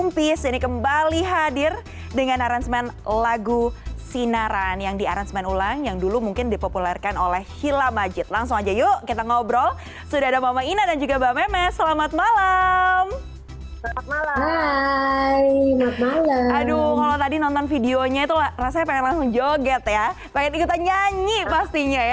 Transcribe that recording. pengen ikutan nyanyi pastinya ya